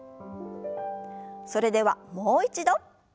それではもう一度。